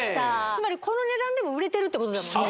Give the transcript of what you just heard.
つまりこの値段でも売れてるってことだもんね